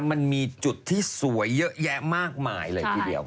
มันมีจุดที่สวยเยอะแยะมากมายเลยทีเดียว